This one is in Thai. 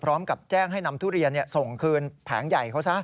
พร้อมกับแจ้งให้นำทุเรียนส่งคืนแผงใหญ่เขาซะ